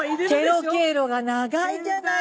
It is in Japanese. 「ケロケロ」が長いじゃないのよ。